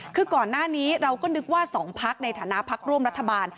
คือก่อนหน้านี้เราก็นึกว่า๒พักในฐานะพักร่วมรัฐบาล